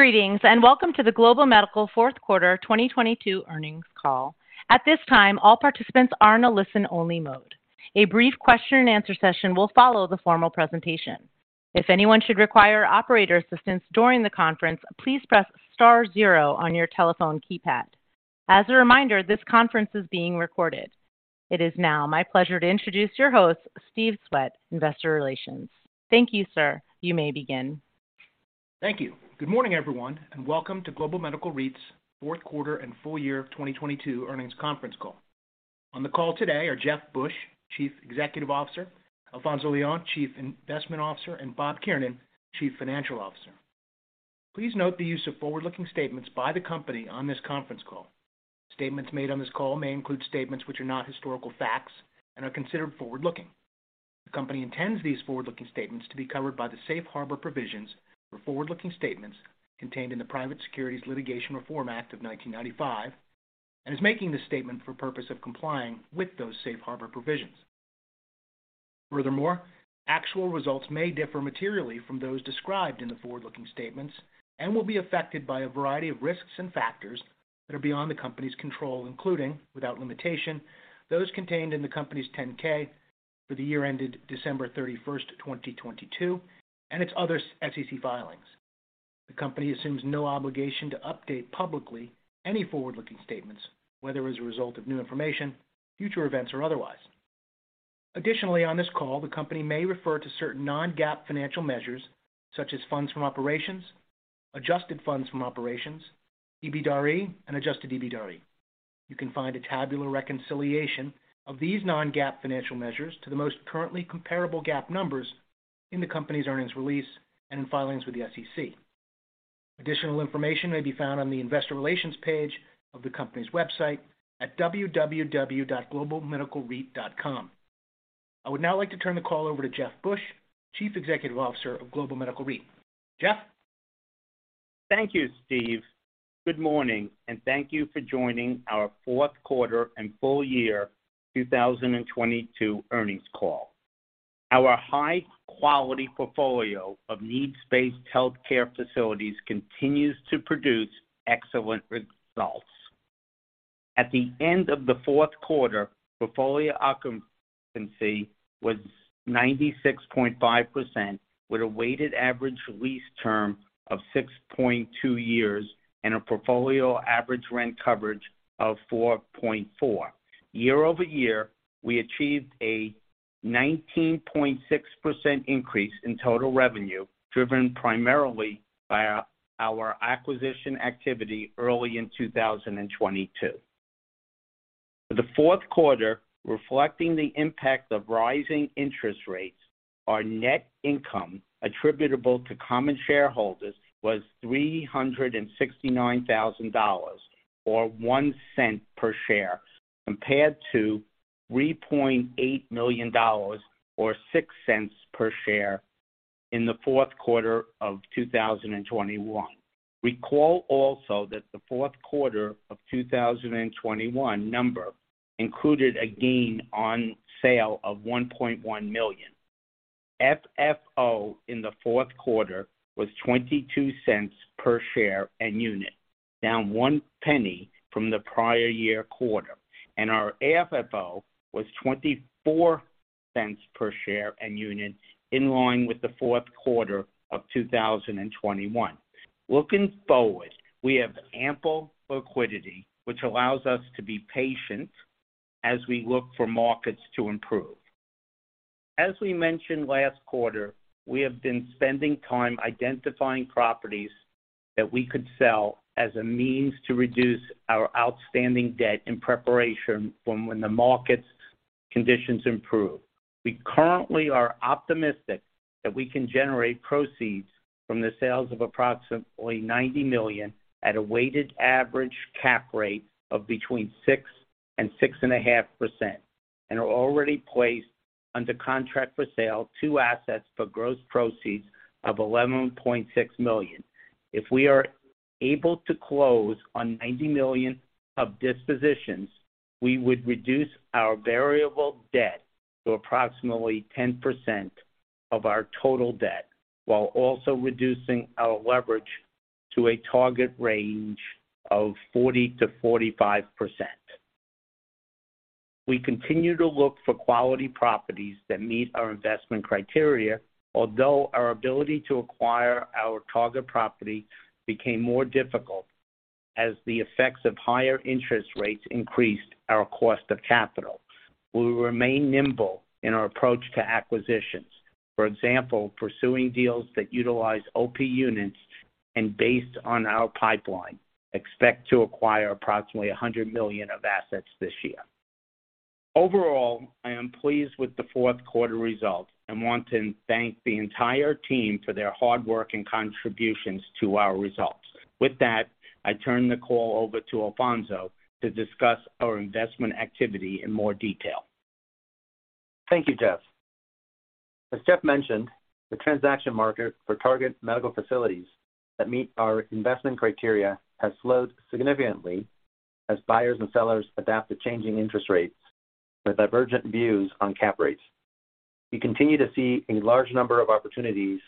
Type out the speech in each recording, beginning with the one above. Greetings, welcome to the Global Medical Fourth Quarter 2022 Earnings Call. At this time, all participants are in a listen-only mode. A brief question and answer session will follow the formal presentation. If anyone should require operator assistance during the conference, please press star zero on your telephone keypad. As a reminder, this conference is being recorded. It is now my pleasure to introduce your host, Stephen Swett, Investor Relations. Thank you, sir. You may begin. Thank you. Good morning, everyone, and welcome to Global Medical REIT's Fourth Quarter and Full Year of 2022 Earnings Conference Call. On the call today are Jeff Busch, Chief Executive Officer; Alfonzo Leon, Chief Investment Officer; and Bob Kiernan, Chief Financial Officer. Please note the use of forward-looking statements by the company on this conference call. Statements made on this call may include statements which are not historical facts and are considered forward-looking. The company intends these forward-looking statements to be covered by the safe harbor provisions for forward-looking statements contained in the Private Securities Litigation Reform Act of 1995 and is making this statement for purpose of complying with those safe harbor provisions. Actual results may differ materially from those described in the forward-looking statements and will be affected by a variety of risks and factors that are beyond the company's control, including, without limitation, those contained in the company's 10-K for the year ended December 31st, 2022, and its other SEC filings. The company assumes no obligation to update publicly any forward-looking statements, whether as a result of new information, future events, or otherwise. On this call, the company may refer to certain non-GAAP financial measures such as funds from operations, adjusted funds from operations, EBITDAre, and adjusted EBITDAre. You can find a tabular reconciliation of these non-GAAP financial measures to the most currently comparable GAAP numbers in the company's earnings release and in filings with the SEC. Additional information may be found on the investor relations page of the company's website at www.globalmedicalreit.com. I would now like to turn the call over to Jeff Busch, Chief Executive Officer of Global Medical REIT. Jeff? Thank you, Stephen Swett. Good morning. Thank you for joining our fourth quarter and full year 2022 earnings call. Our high-quality portfolio of needs-based healthcare facilities continues to produce excellent results. At the end of the fourth quarter, portfolio occupancy was 96.5% with a weighted average lease term of 6.2 years and a portfolio average rent coverage of 4.4. Year-over-year, we achieved a 19.6% increase in total revenue, driven primarily by our acquisition activity early in 2022. For the fourth quarter, reflecting the impact of rising interest rates, our net income attributable to common shareholders was $369,000 or $0.01 per share, compared to $3.8 million or $0.06 per share in the fourth quarter of 2021. Recall also that the fourth quarter of 2021 number included a gain on sale of $1.1 million. FFO in the fourth quarter was $0.22 per share and unit, down $0.01 from the prior year quarter. Our AFFO was $0.24 per share and unit, in line with the fourth quarter of 2021. Looking forward, we have ample liquidity, which allows us to be patient as we look for markets to improve. As we mentioned last quarter, we have been spending time identifying properties that we could sell as a means to reduce our outstanding debt in preparation from when the markets conditions improve. We currently are optimistic that we can generate proceeds from the sales of approximately $90 million at a weighted average cap rate of between 6% and 6.5%, and are already placed under contract for sale two assets for gross proceeds of $11.6 million. If we are able to close on $90 million of dispositions, we would reduce our variable debt to approximately 10% of our total debt, while also reducing our leverage to a target range of 40%-45%. We continue to look for quality properties that meet our investment criteria. Although our ability to acquire our target property became more difficult as the effects of higher interest rates increased our cost of capital, we remain nimble in our approach to acquisitions. For example, pursuing deals that utilize OP units and based on our pipeline, expect to acquire approximately $100 million of assets this year. Overall, I am pleased with the fourth quarter results and want to thank the entire team for their hard work and contributions to our results. With that, I turn the call over to Alfonzo to discuss our investment activity in more detail. Thank you, Jeff. As Jeff mentioned, the transaction market for target medical facilities that meet our investment criteria has slowed significantly as buyers and sellers adapt to changing interest rates with divergent views on cap rates. We continue to see a large number of opportunities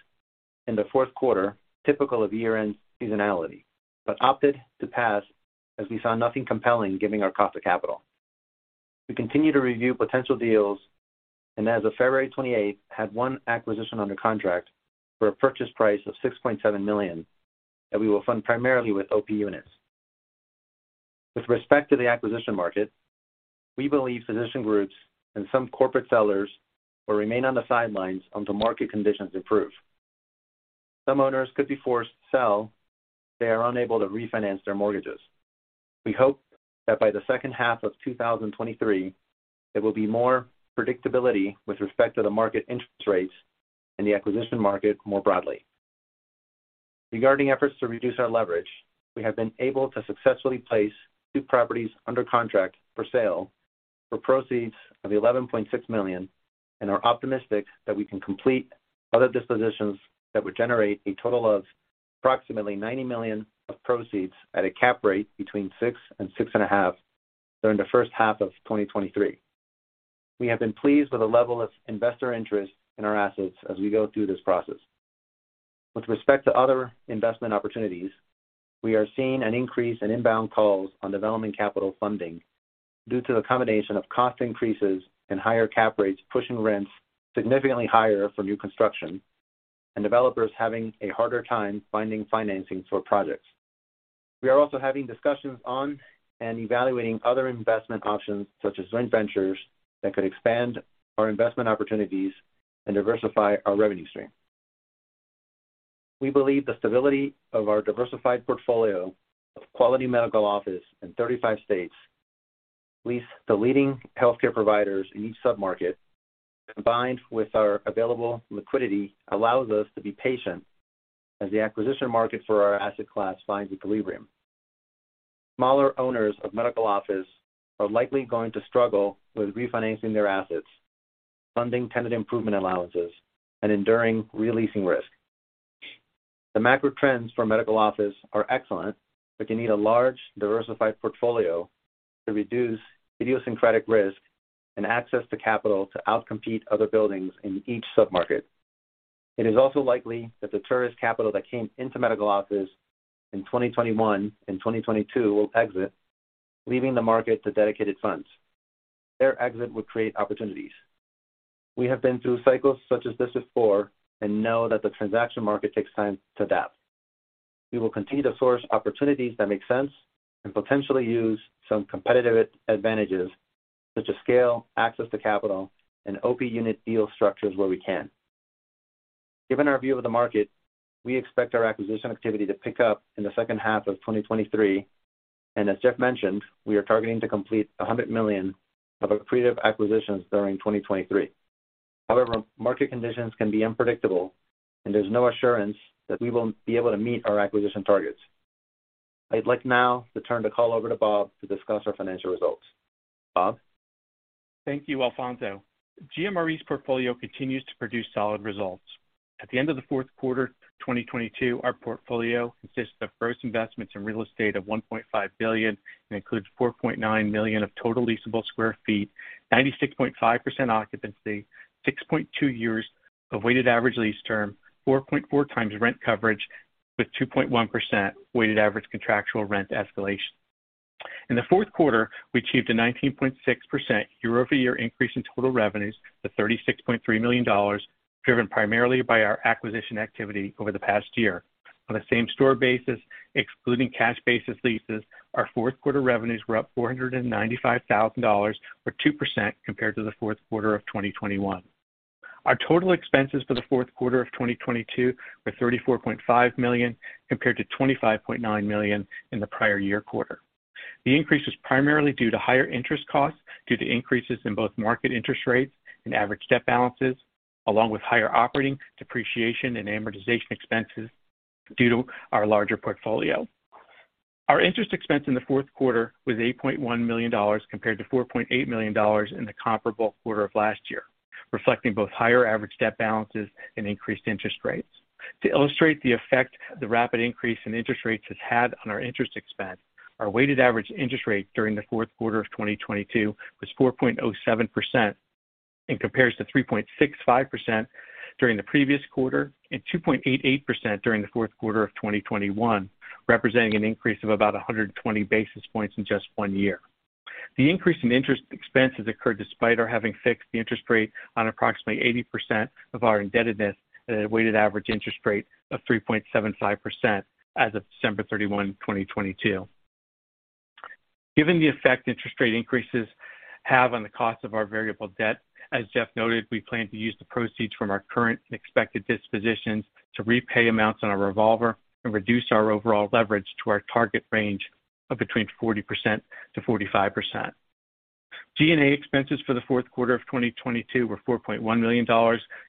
in the fourth quarter, typical of year-end seasonality, but opted to pass as we saw nothing compelling giving our cost of capital. We continue to review potential deals, and as of February 28th, had one acquisition under contract for a purchase price of $6.7 million that we will fund primarily with OP units. With respect to the acquisition market, we believe physician groups and some corporate sellers will remain on the sidelines until market conditions improve. Some owners could be forced to sell if they are unable to refinance their mortgages. We hope that by the second half of 2023, there will be more predictability with respect to the market interest rates and the acquisition market more broadly. Regarding efforts to reduce our leverage, we have been able to successfully place two properties under contract for sale for proceeds of $11.6 million and are optimistic that we can complete other dispositions that would generate a total of approximately $90 million of proceeds at a cap rate between 6% and 6.5% during the first half of 2023. We have been pleased with the level of investor interest in our assets as we go through this process. With respect to other investment opportunities, we are seeing an increase in inbound calls on development capital funding due to the combination of cost increases and higher cap rates pushing rents significantly higher for new construction, and developers having a harder time finding financing for projects. We are also having discussions on and evaluating other investment options such as joint ventures that could expand our investment opportunities and diversify our revenue stream. We believe the stability of our diversified portfolio of quality medical office in 35 states leased to leading healthcare providers in each submarket, combined with our available liquidity, allows us to be patient as the acquisition market for our asset class finds equilibrium. Smaller owners of medical office are likely going to struggle with refinancing their assets, funding tenant improvement allowances, and enduring re-leasing risk. The macro trends for medical office are excellent. You need a large diversified portfolio to reduce idiosyncratic risk and access to capital to out-compete other buildings in each submarket. It is also likely that the tourist capital that came into medical office in 2021 and 2022 will exit, leaving the market to dedicated funds. Their exit would create opportunities. We have been through cycles such as this before and know that the transaction market takes time to adapt. We will continue to source opportunities that make sense and potentially use some competitive advantages such as scale, access to capital, and OP unit deal structures where we can. Given our view of the market, we expect our acquisition activity to pick up in the second half of 2023. As Jeff mentioned, we are targeting to complete $100 million of accretive acquisitions during 2023. However, market conditions can be unpredictable, and there's no assurance that we will be able to meet our acquisition targets. I'd like now to turn the call over to Bob to discuss our financial results. Bob? Thank you, Alfonzo. GMRE's portfolio continues to produce solid results. At the end of the fourth quarter 2022, our portfolio consists of gross investments in real estate of $1.5 billion, includes 4.9 million of total leasable sq ft, 96.5% occupancy, 6.2 years of weighted average lease term, 4.4x rent coverage with 2.1% weighted average contractual rent escalation. In the fourth quarter, we achieved a 19.6% year-over-year increase in total revenues to $36.3 million, driven primarily by our acquisition activity over the past year. On a same-store basis, excluding cash basis leases, our fourth quarter revenues were up $495,000 or 2% compared to the fourth quarter of 2021. Our total expenses for the fourth quarter of 2022 were $34.5 million compared to $25.9 million in the prior year quarter. The increase was primarily due to higher interest costs due to increases in both market interest rates and average debt balances, along with higher operating depreciation and amortization expenses due to our larger portfolio. Our interest expense in the fourth quarter was $8.1 million compared to $4.8 million in the comparable quarter of last year, reflecting both higher average debt balances and increased interest rates. To illustrate the effect the rapid increase in interest rates has had on our interest expense, our weighted average interest rate during the fourth quarter of 2022 was 4.07% and compares to 3.65% during the previous quarter and 2.88% during the fourth quarter of 2021, representing an increase of about 120 basis points in just one year. The increase in interest expense has occurred despite our having fixed the interest rate on approximately 80% of our indebtedness at a weighted average interest rate of 3.75% as of December 31, 2022. Given the effect interest rate increases have on the cost of our variable debt, as Jeff noted, we plan to use the proceeds from our current and expected dispositions to repay amounts on our revolver and reduce our overall leverage to our target range of between 40%-45%. G&A expenses for the fourth quarter of 2022 were $4.1 million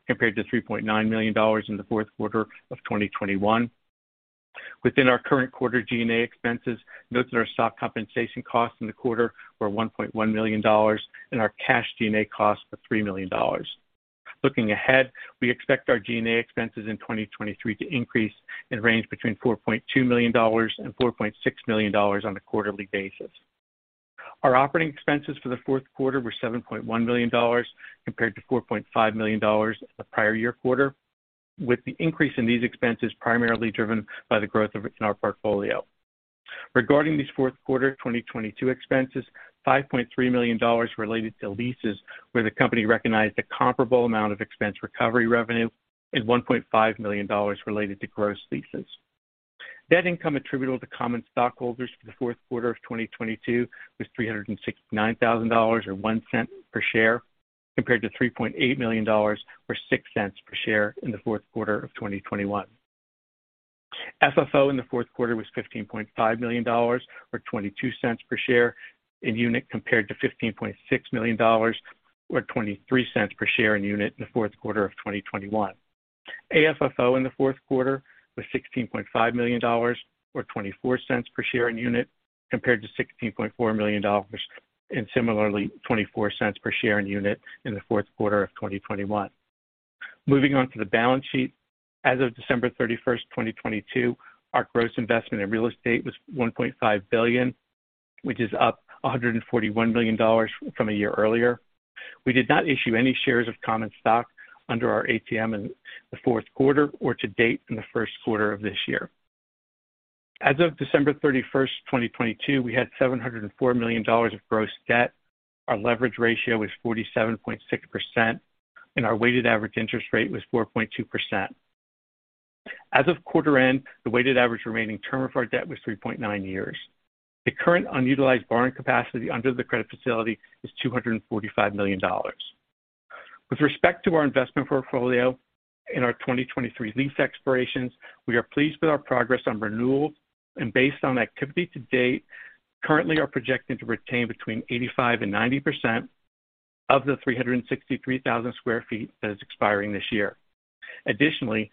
compared to $3.9 million in the fourth quarter of 2021. Within our current quarter G&A expenses, note that our stock compensation costs in the quarter were $1.1 million and our cash G&A costs were $3 million. Looking ahead, we expect our G&A expenses in 2023 to increase and range between $4.2 million and $4.6 million on a quarterly basis. Our operating expenses for the fourth quarter were $7.1 million compared to $4.5 million the prior year quarter, with the increase in these expenses primarily driven by the growth of it in our portfolio. Regarding these fourth quarter 2022 expenses, $5.3 million related to leases where the company recognized a comparable amount of expense recovery revenue is $1.5 million related to gross leases. Net income attributable to common stockholders for the fourth quarter of 2022 was $369,000 or $0.01 per share, compared to $3.8 million or $0.06 per share in the fourth quarter of 2021. FFO in the fourth quarter was $15.5 million or $0.22 per share in unit compared to $15.6 million or $0.23 per share in unit in the fourth quarter of 2021. AFFO in the fourth quarter was $16.5 million or $0.24 per share in unit compared to $16.4 million in similarly $0.24 per share in unit in the fourth quarter of 2021. Moving on to the balance sheet. As of December 31st, 2022, our gross investment in real estate was $1.5 billion, which is up $141 million from a year earlier. We did not issue any shares of common stock under our ATM in the fourth quarter or to date in the first quarter of this year. As of December 31st, 2022, we had $704 million of gross debt. Our leverage ratio was 47.6%, and our weighted average interest rate was 4.2%. As of quarter end, the weighted average remaining term of our debt was 3.9 years. The current unutilized borrowing capacity under the credit facility is $245 million. With respect to our investment portfolio in our 2023 lease expirations, we are pleased with our progress on renewals and based on activity to date, currently are projecting to retain between 85% and 90% of the 363,000 sq ft that is expiring this year. Additionally,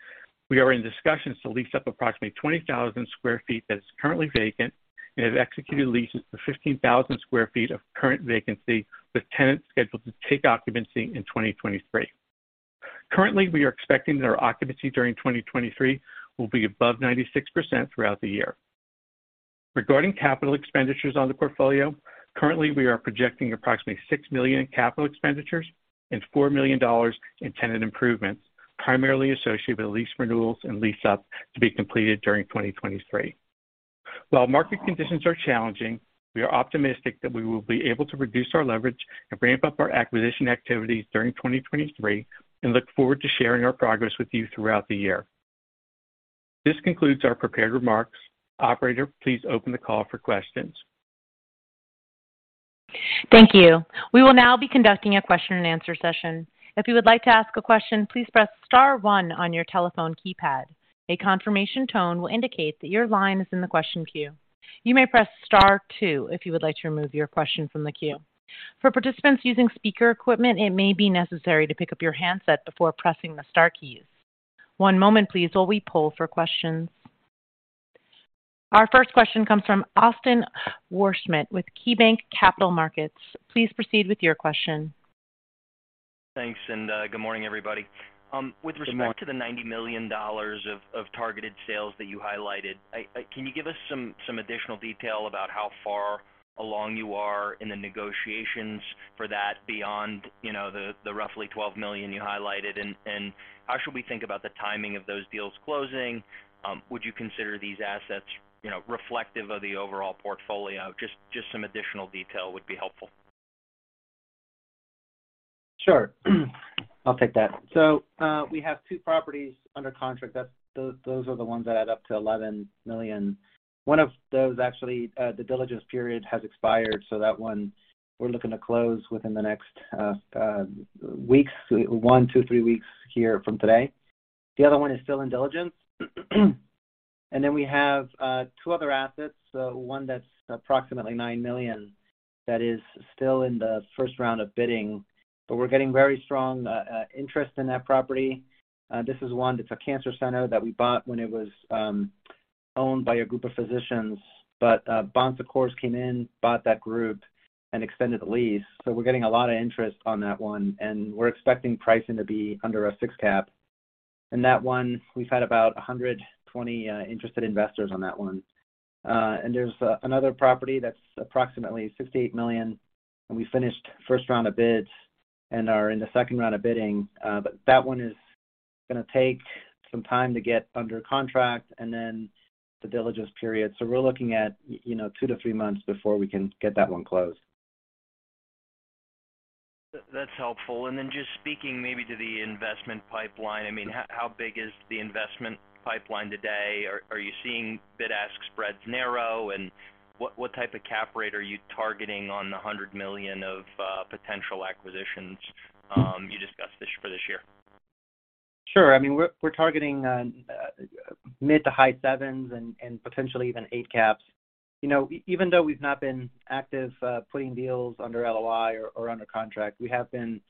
we are in discussions to lease up approximately 20,000 sq ft that is currently vacant and have executed leases for 15,000 sq ft of current vacancy, with tenants scheduled to take occupancy in 2023. Currently, we are expecting that our occupancy during 2023 will be above 96% throughout the year. Regarding capital expenditures on the portfolio, currently we are projecting approximately $6 million in capital expenditures and $4 million in tenant improvements, primarily associated with lease renewals and lease up to be completed during 2023. While market conditions are challenging, we are optimistic that we will be able to reduce our leverage and ramp up our acquisition activities during 2023 and look forward to sharing our progress with you throughout the year. This concludes our prepared remarks. Operator, please open the call for questions. Thank you. We will now be conducting a question and answer session. If you would like to ask a question, please press star one on your telephone keypad. A confirmation tone will indicate that your line is in the question queue. You may press star two if you would like to remove your question from the queue. For participants using speaker equipment, it may be necessary to pick up your handset before pressing the star keys. One moment please while we poll for questions. Our first question comes from Austin Wurschmidt with KeyBanc Capital Markets. Please proceed with your question. Thanks, good morning, everybody. Good morning. With respect to the $90 million of targeted sales that you highlighted, can you give us some additional detail about how far along you are in the negotiations for that beyond, you know, the roughly $12 million you highlighted? How should we think about the timing of those deals closing? Would you consider these assets, you know, reflective of the overall portfolio? Just some additional detail would be helpful. Sure. I'll take that. We have two properties under contract. Those are the ones that add up to $11 million. One of those actually, the diligence period has expired, so that one we're looking to close within the next weeks. One, two, three weeks here from today. The other one is still in diligence. We have two other assets. One that's approximately $9 million, that is still in the first round of bidding, but we're getting very strong interest in that property. This is one that's a cancer center that we bought when it was owned by a group of physicians. Bon Secours came in, bought that group, and extended the lease. We're getting a lot of interest on that one, and we're expecting pricing to be under a six cap. That one, we've had about 120 interested investors on that one. There's another property that's approximately $68 million, and we finished first round of bids and are in the second round of bidding. That one is gonna take some time to get under contract and then the diligence period. We're looking at, you know, two-three months before we can get that one closed. That's helpful. Just speaking maybe to the investment pipeline, I mean, how big is the investment pipeline today? Are you seeing bid-ask spreads narrow? What type of cap rate are you targeting on the $100 million of potential acquisitions, you discussed for this year? Sure. I mean, we're targeting mid to high sevens and potentially even eight caps. You know, even though we've not been active putting deals under LOI or under contract, we have been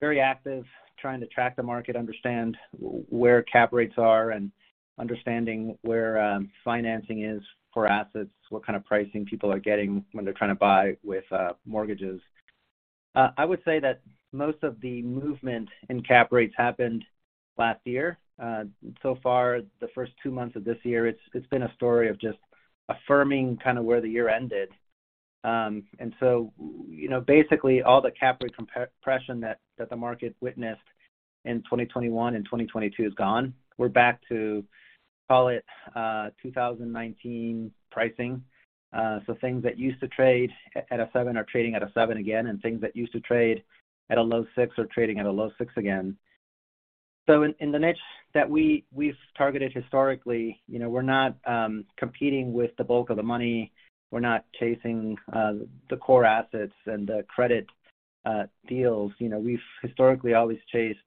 very active trying to track the market, understand where cap rates are, and understanding where financing is for assets, what kind of pricing people are getting when they're trying to buy with mortgages. I would say that most of the movement in cap rates happened last year. So far, the first two months of this year, it's been a story of just affirming kind of where the year ended. You know, basically all the cap rate compression that the market witnessed in 2021 and 2022 is gone. We're back to call it, 2019 pricing. Things that used to trade at a seven are trading at a seven again, and things that used to trade at a low six are trading at a low six again. In the niche that we've targeted historically, you know, we're not competing with the bulk of the money. We're not chasing the core assets and the credit deals. You know, we've historically always chased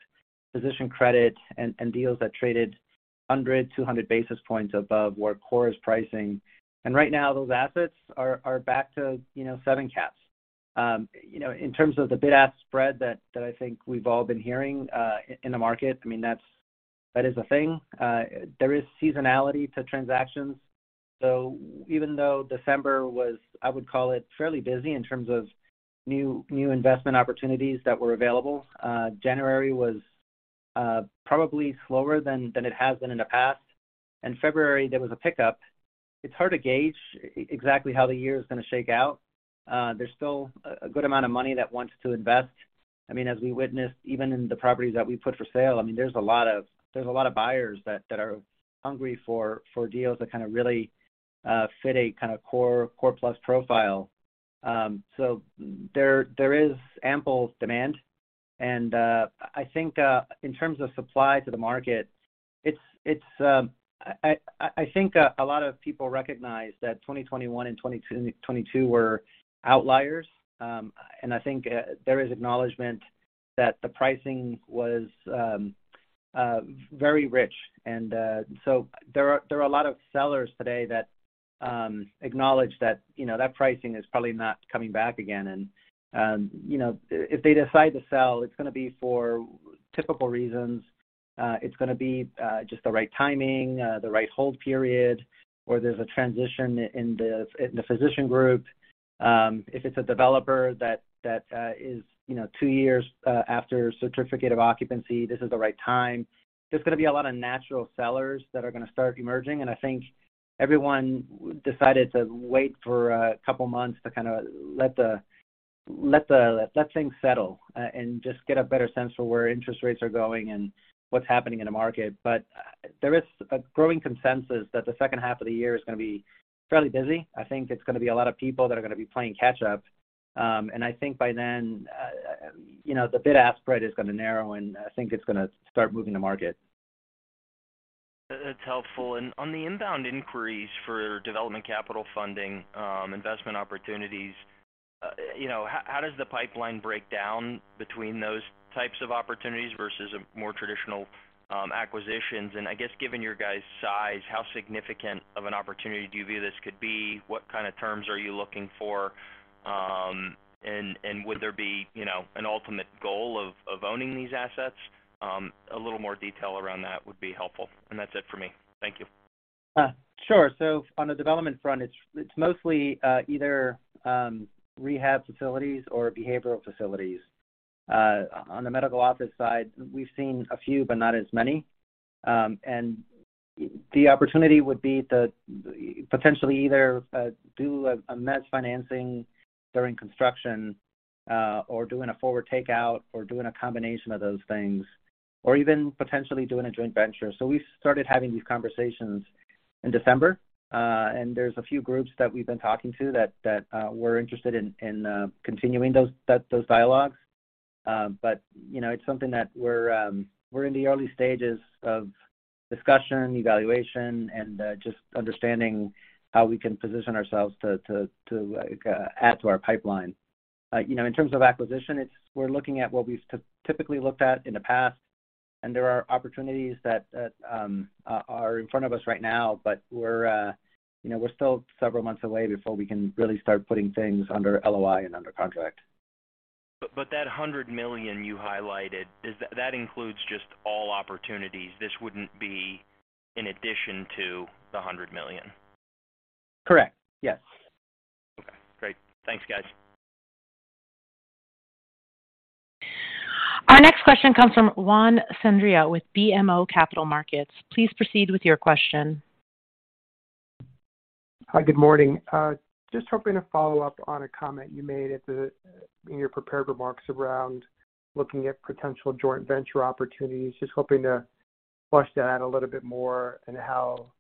physician credit and deals that traded 100, 200 basis points above where core is pricing. Right now, those assets are back to, you know, seven caps. You know, in terms of the bid-ask spread that I think we've all been hearing in the market, I mean, that is a thing. There is seasonality to transactions. Even though December was, I would call it, fairly busy in terms of new investment opportunities that were available, January was probably slower than it has been in the past. In February, there was a pickup. It's hard to gauge exactly how the year is gonna shake out. There's still a good amount of money that wants to invest. I mean, as we witnessed, even in the properties that we put for sale, I mean, there's a lot of buyers that are hungry for deals that fit a core plus profile. There is ample demand. I think in terms of supply to the market, I think a lot of people recognize that 2021 and 2022 were outliers. I think there is acknowledgment that the pricing was very rich. There are a lot of sellers today that acknowledge that, you know, that pricing is probably not coming back again. You know, if they decide to sell, it's gonna be for typical reasons. It's gonna be just the right timing, the right hold period, or there's a transition in the physician group. If it's a developer that is, you know, two years after certificate of occupancy, this is the right time. There's gonna be a lot of natural sellers that are gonna start emerging. I think everyone decided to wait for a couple of months to kind of let things settle and just get a better sense for where interest rates are going and what's happening in the market. There is a growing consensus that the second half of the year is gonna be fairly busy. I think it's gonna be a lot of people that are gonna be playing catch up. I think by then, you know, the bid-ask spread is gonna narrow, and I think it's gonna start moving the market. That's helpful. On the inbound inquiries for development capital funding, investment opportunities, you know, how does the pipeline break down between those types of opportunities versus a more traditional, acquisitions? I guess given your guys' size, how significant of an opportunity do you view this could be? What kind of terms are you looking for? And would there be, you know, an ultimate goal of owning these assets? A little more detail around that would be helpful. That's it for me. Thank you. Sure. On the development front, it's mostly either rehab facilities or behavioral facilities. On the medical office side, we've seen a few, but not as many. The opportunity would be to potentially either do a mezzanine financing during construction, or doing a forward takeout, or doing a combination of those things, or even potentially doing a joint venture. We started having these conversations in December. There's a few groups that we've been talking to that we're interested in continuing those dialogues. You know, it's something that we're in the early stages of discussion, evaluation, and just understanding how we can position ourselves to add to our pipeline. You know, in terms of acquisition, we're looking at what we've typically looked at in the past. There are opportunities that are in front of us right now. We're, you know, we're still several months away before we can really start putting things under LOI and under contract. That $100 million you highlighted, that includes just all opportunities. This wouldn't be in addition to the $100 million. Correct. Yes. Okay, great. Thanks, guys. Our next question comes from Juan Sanabria with BMO Capital Markets. Please proceed with your question. Hi, good morning. Just hoping to follow up on a comment you made in your prepared remarks around looking at potential joint venture opportunities. Just hoping to flush that out a little bit more and how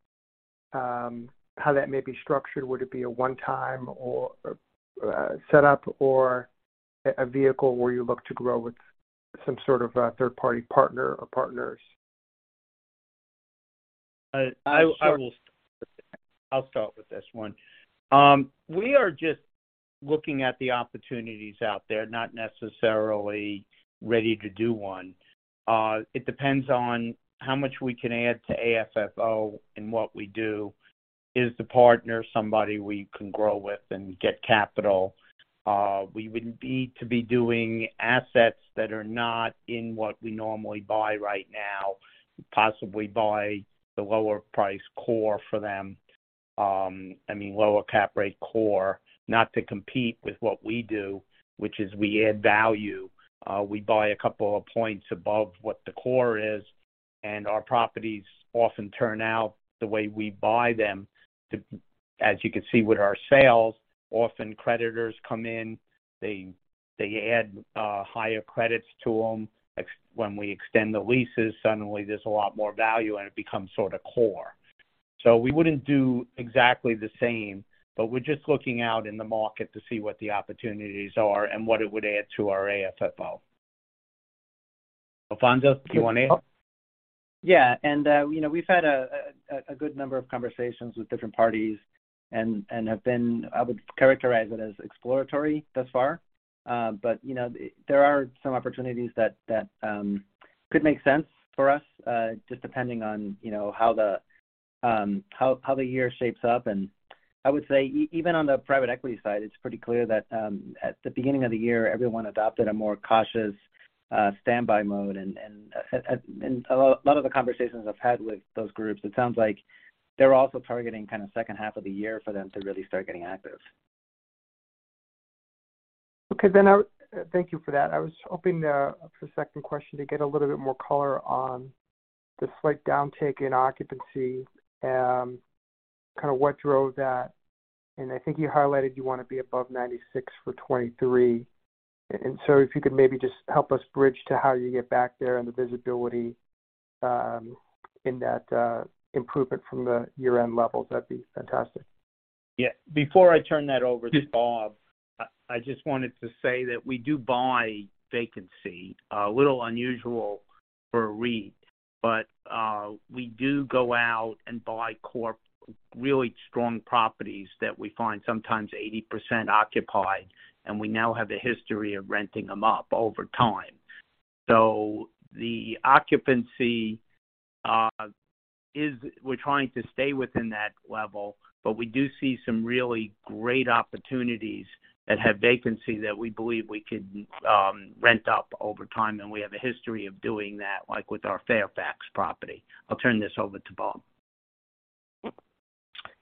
that may be structured. Would it be a one-time or set up or a vehicle where you look to grow with some sort of a third-party partner or partners? I. I'll start. I'll start with this one. We are just looking at the opportunities out there, not necessarily ready to do one. It depends on how much we can add to AFFO and what we do. Is the partner somebody we can grow with and get capital? We would need to be doing assets that are not in what we normally buy right now, possibly buy the lower price core for them. I mean, lower cap rate core, not to compete with what we do, which is we add value. We buy a couple of points above what the core is, and our properties often turn out the way we buy them. As you can see with our sales, often creditors come in, they add higher credits to them. When we extend the leases, suddenly there's a lot more value, and it becomes sort of core. We wouldn't do exactly the same, but we're just looking out in the market to see what the opportunities are and what it would add to our AFFO. Alfonzo, do you wanna add? Yeah. You know, we've had a good number of conversations with different parties and have been. I would characterize it as exploratory thus far. You know, there are some opportunities that could make sense for us, just depending on, you know, how the year shapes up. I would say even on the private equity side, it's pretty clear that at the beginning of the year, everyone adopted a more cautious standby mode. A lot of the conversations I've had with those groups, it sounds like they're also targeting kind of second half of the year for them to really start getting active. Okay. Thank you for that. I was hoping for a second question to get a little bit more color on the slight downtick in occupancy, kind of what drove that. I think you highlighted you wanna be above 96% for 2023. If you could maybe just help us bridge to how you get back there and the visibility in that improvement from the year-end levels, that'd be fantastic. Before I turn that over to Bob, I just wanted to say that we do buy vacancy, a little unusual for a REIT, but we do go out and buy core, really strong properties that we find sometimes 80% occupied, and we now have a history of renting them up over time. The occupancy is we're trying to stay within that level, but we do see some really great opportunities that have vacancy that we believe we could rent up over time, and we have a history of doing that, like with our Fairfax property. I'll turn this over to Bob.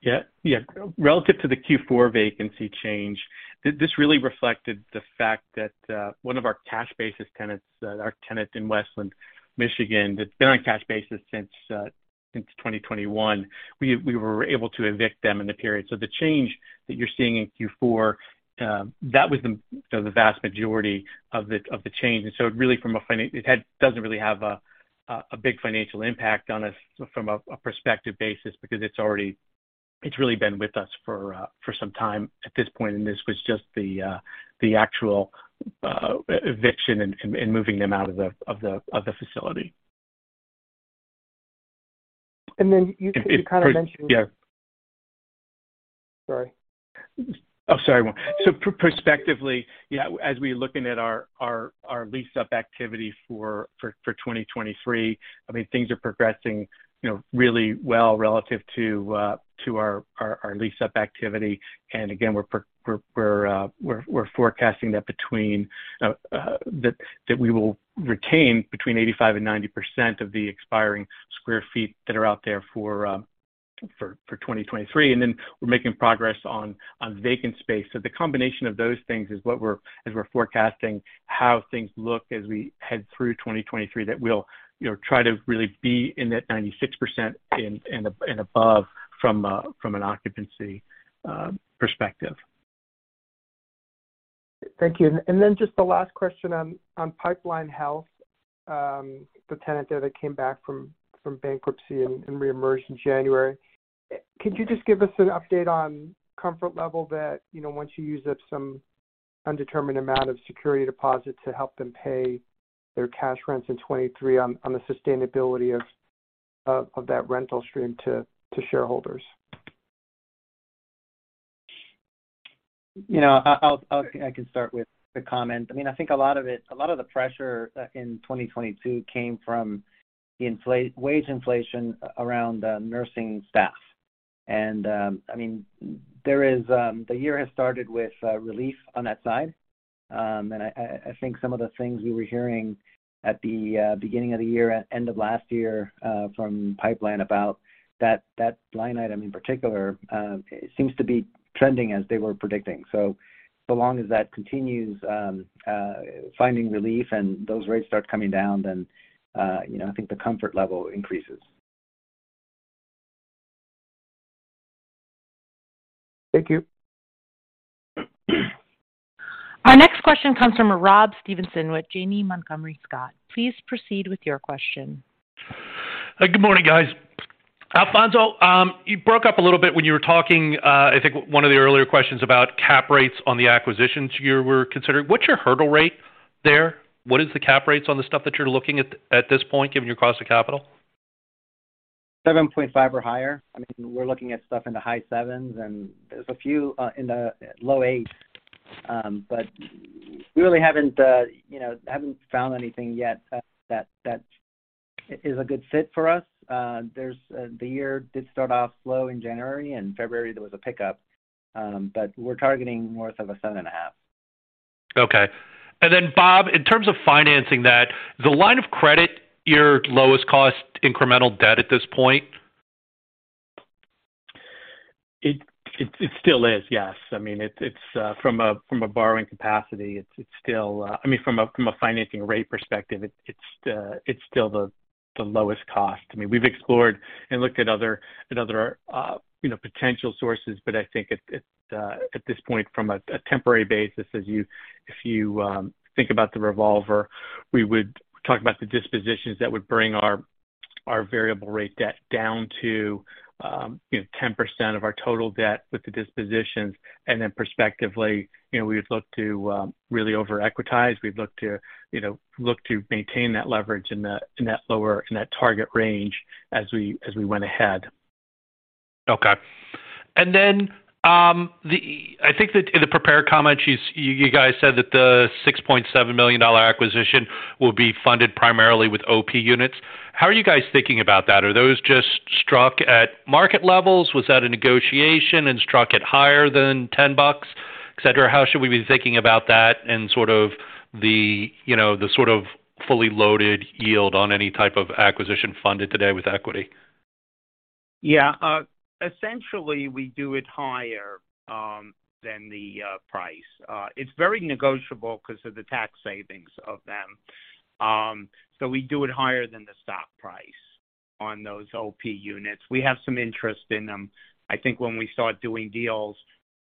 Yeah. Yeah. Relative to the Q4 vacancy change, this really reflected the fact that one of our cash basis tenants, our tenant in Westland, Michigan, that's been on cash basis since 2021, we were able to evict them in the period. The change that you're seeing in Q4, that was the vast majority of the change. It really doesn't really have a big financial impact on us from a perspective basis because it's already... It's really been with us for some time at this point, and this was just the actual eviction and moving them out of the facility. Then you kind of mentioned- Yeah. Sorry. Oh, sorry. Perspectively, yeah, as we looking at our lease-up activity for 2023, I mean, things are progressing, you know, really well relative to our lease-up activity. Again, we're forecasting that we will retain between 80% and 90% of the expiring square feet that are out there for 2023. Then we're making progress on vacant space. The combination of those things is what we're, as we're forecasting how things look as we head through 2023, that we'll, you know, try to really be in that 96% and above from an occupancy perspective. Thank you. Just the last question on Pipeline Health, the tenant there that came back from bankruptcy and reemerged in January. Could you just give us an update on comfort level that, you know, once you use up some undetermined amount of security deposits to help them pay their cash rents in 2023 on the sustainability of that rental stream to shareholders? You know, I can start with a comment. I mean, I think a lot of the pressure in 2022 came from wage inflation around nursing staff. I mean, there is the year has started with relief on that side. I think some of the things we were hearing at the beginning of the year, end of last year, from Pipeline about that line item in particular, seems to be trending as they were predicting. So long as that continues, finding relief and those rates start coming down, then, you know, I think the comfort level increases. Thank you. Our next question comes from Rob Stevenson with Janney Montgomery Scott. Please proceed with your question. Good morning, guys. Alfonzo, you broke up a little bit when you were talking, I think one of the earlier questions about cap rates on the acquisitions you were considering. What's your hurdle rate there? What is the cap rates on the stuff that you're looking at this point, given your cost of capital? 7.5% or higher. I mean, we're looking at stuff in the high sevens, and there's a few in the low eights. We really haven't, you know, haven't found anything yet that is a good fit for us. The year did start off slow in January, and February there was a pickup, but we're targeting more of a 7.5%. Okay. Then Bob, in terms of financing that, the line of credit, your lowest cost incremental debt at this point? It still is, yes. I mean, it's from a borrowing capacity, it's still. I mean, from a financing rate perspective, it's still the lowest cost. I mean, we've explored and looked at other potential sources, but I think at this point from a temporary basis, if you think about the revolver, we would talk about the dispositions that would bring our variable rate debt down to, you know, 10% of our total debt with the dispositions. Then perspectively, you know, we would look to really over equitize. We'd look to, you know, maintain that leverage in that lower, in that target range as we went ahead. Okay. The... I think that in the prepared comments, you guys said that the $6.7 million acquisition will be funded primarily with OP units. How are you guys thinking about that? Are those just struck at market levels? Was that a negotiation and struck at higher than $10, et cetera? How should we be thinking about that and sort of the, you know, the sort of fully loaded yield on any type of acquisition funded today with equity? Essentially, we do it higher than the price. It's very negotiable because of the tax savings of them. We do it higher than the stock price on those OP units. We have some interest in them. I think when we start doing deals,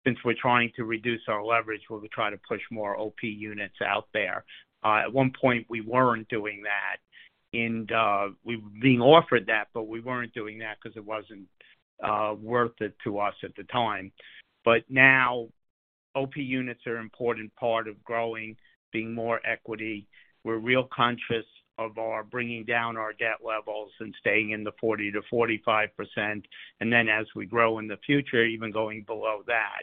since we're trying to reduce our leverage, we'll be trying to push more OP units out there. At one point, we weren't doing that, and we were being offered that, but we weren't doing that because it wasn't worth it to us at the time. OP units are important part of growing, being more equity. We're real conscious of our bringing down our debt levels and staying in the 40%-45%, and then as we grow in the future, even going below that.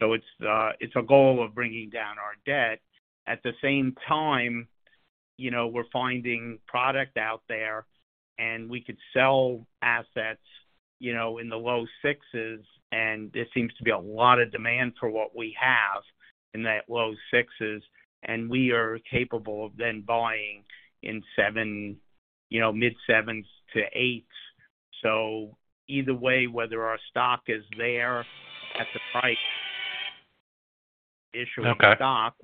It's a goal of bringing down our debt. At the same time, you know, we're finding product out there, and we could sell assets, you know, in the low sixes, and there seems to be a lot of demand for what we have in that low sixes, and we are capable of then buying in seven, you know, mid-sevens to eights. Either way, whether our stock is there at the price- Okay Issuing stock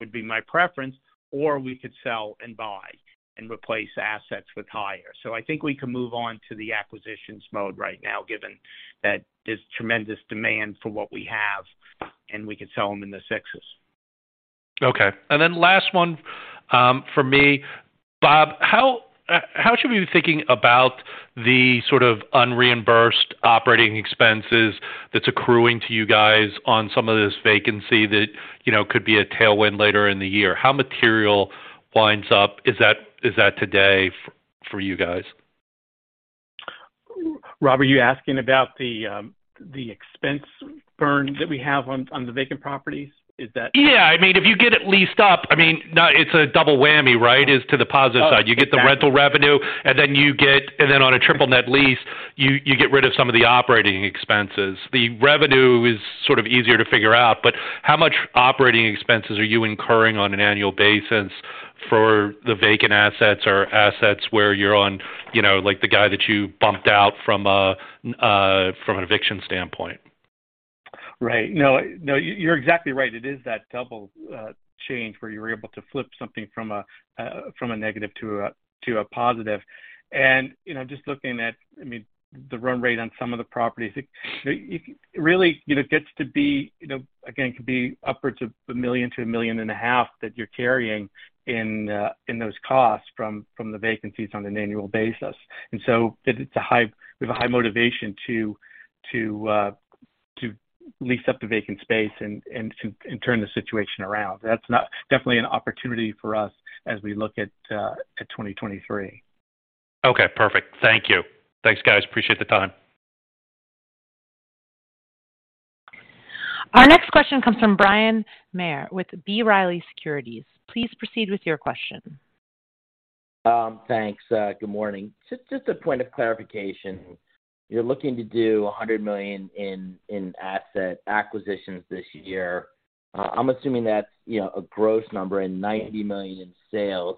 would be my preference. We could sell and buy and replace assets with higher. I think we can move on to the acquisitions mode right now, given that there's tremendous demand for what we have, and we can sell them in the sixes. Okay. Then last one from me. Bob, how should we be thinking about the sort of unreimbursed operating expenses that's accruing to you guys on some of this vacancy that, you know, could be a tailwind later in the year? How material winds up is that today for you guys? Robert, are you asking about the expense burn that we have on the vacant properties? Yeah. I mean, if you get it leased up, I mean, now it's a double whammy, right? Is to the positive side. Oh, exactly. You get the rental revenue. On a triple net lease, you get rid of some of the operating expenses. The revenue is sort of easier to figure out. How much operating expenses are you incurring on an annual basis for the vacant assets or assets where you're on, you know, like the guy that you bumped out from from an eviction standpoint? Right. No, no, you're exactly right. It is that double change where you were able to flip something from a negative to a positive. You know, just looking at, I mean, the run rate on some of the properties, it really, you know, gets to be, you know, again, could be upwards of $1 million-$1.5 million that you're carrying in those costs from the vacancies on an annual basis. We have a high motivation to lease up the vacant space and to turn the situation around. That's not definitely an opportunity for us as we look at 2023. Okay, perfect. Thank you. Thanks, guys. Appreciate the time. Our next question comes from Bryan Maher with B. Riley Securities. Please proceed with your question. Thanks. Good morning. Just a point of clarification. You're looking to do $100 million in asset acquisitions this year. I'm assuming that's, you know, a gross number and $90 million in sales.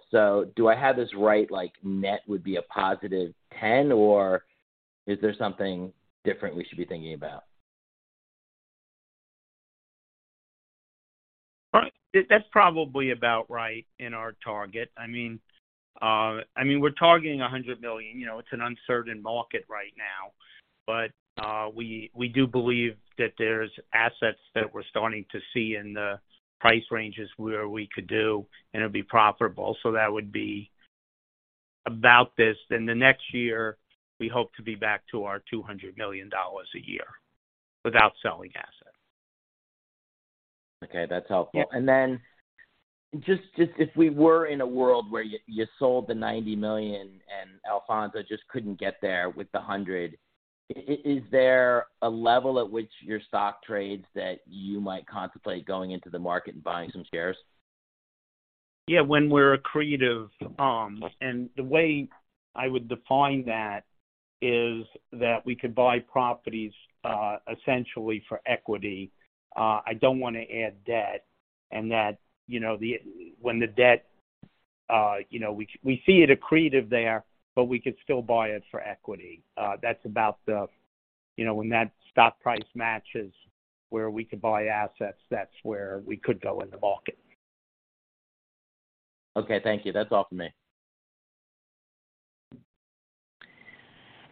Do I have this right, like net would be a positive 10, or is there something different we should be thinking about? That's probably about right in our target. I mean, we're targeting $100 million. You know, it's an uncertain market right now, we do believe that there's assets that we're starting to see in the price ranges where we could do, and it'll be profitable. That would be about this. The next year, we hope to be back to our $200 million a year without selling assets. Okay, that's helpful. Just if we were in a world where you sold the $90 million and Alfonzo just couldn't get there with the $100, is there a level at which your stock trades that you might contemplate going into the market and buying some shares? Yeah, when we're accretive. The way I would define that is that we could buy properties, essentially for equity. I don't wanna add debt, and that, when the debt, we see it accretive there, but we could still buy it for equity. That's about the, when that stock price matches where we could buy assets, that's where we could go in the market. Okay, thank you. That's all for me.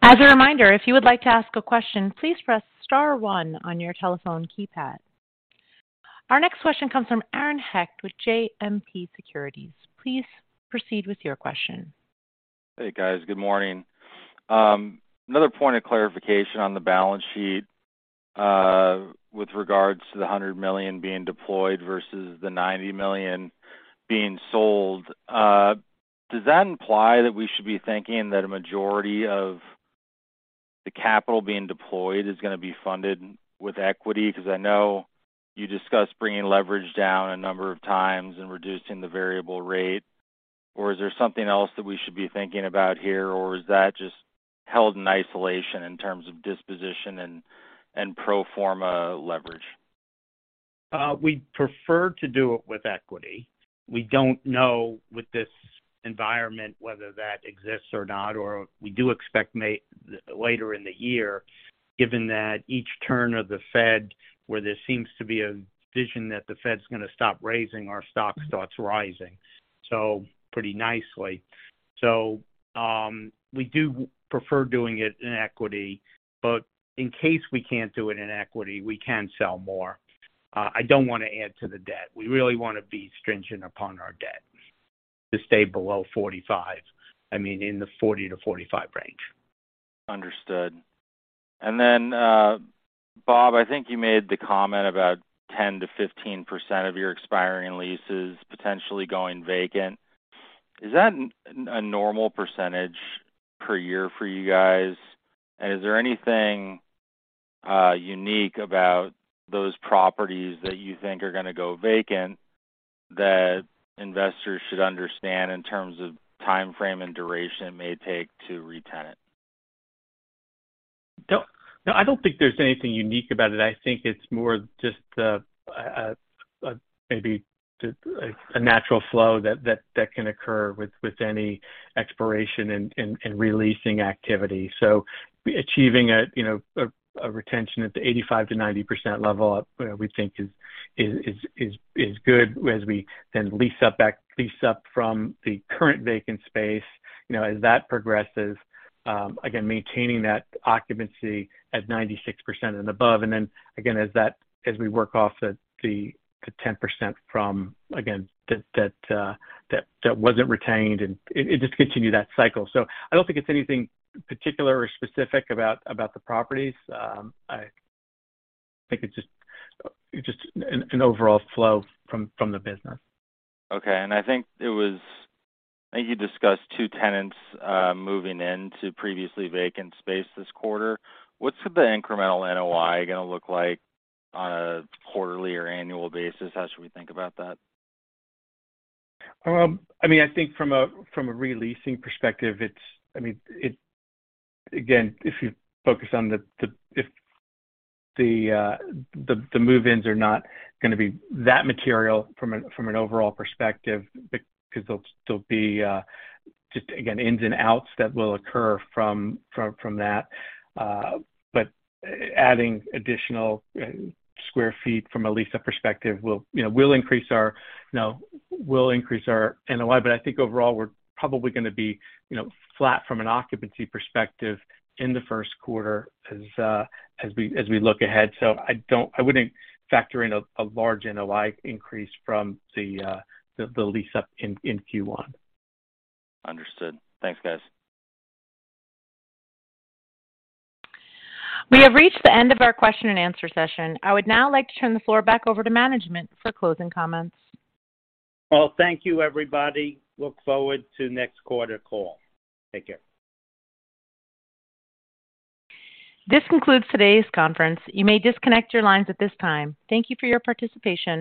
As a reminder, if you would like to ask a question, please press star one on your telephone keypad. Our next question comes from Aaron Hecht with JMP Securities. Please proceed with your question. Hey, guys. Good morning. Another point of clarification on the balance sheet, with regards to the $100 million being deployed versus the $90 million being sold. Does that imply that we should be thinking that a majority of the capital being deployed is gonna be funded with equity? 'Cause I know you discussed bringing leverage down a number of times and reducing the variable rate. Is there something else that we should be thinking about here, or is that just held in isolation in terms of disposition and pro forma leverage? We prefer to do it with equity. We don't know with this environment whether that exists or not, or we do expect later in the year, given that each turn of the Fed, where there seems to be a vision that the Fed's gonna stop raising our stock, starts rising, so pretty nicely. We do prefer doing it in equity, but in case we can't do it in equity, we can sell more. I don't wanna add to the debt. We really wanna be stringent upon our debt to stay below 45. I mean, in the 40-45 range. Understood. Then, Bob, I think you made the comment about 10%-15% of your expiring leases potentially going vacant. Is that a normal percentage per year for you guys? Is there anything unique about those properties that you think are gonna go vacant that investors should understand in terms of timeframe and duration it may take to re-tenant? No, I don't think there's anything unique about it. I think it's more just a natural flow that can occur with any expiration and re-leasing activity. Achieving you know, a retention at the 85%-90% level, we think is good as we then lease up from the current vacant space. You know, as that progresses, again, maintaining that occupancy at 96% and above. Again, as we work off the 10% from, again, that wasn't retained and it just continue that cycle. I don't think it's anything particular or specific about the properties. I think it's just an overall flow from the business. Okay. I think you discussed two tenants moving in to previously vacant space this quarter. What's the incremental NOI gonna look like on a quarterly or annual basis? How should we think about that? Well, I mean, I think from a re-leasing perspective, it's. Again, if you focus on the move-ins are not gonna be that material from an overall perspective because they'll be just again, ins and outs that will occur from that. Adding additional square feet from a lease up perspective will, you know, increase our, you know, increase our NOI. I think overall, we're probably gonna be, you know, flat from an occupancy perspective in the first quarter as we look ahead. I wouldn't factor in a large NOI increase from the lease up in Q1. Understood. Thanks, guys. We have reached the end of our question and answer session. I would now like to turn the floor back over to management for closing comments. Well, thank you, everybody. Look forward to next quarter call. Take care. This concludes today's conference. You may disconnect your lines at this time. Thank you for your participation.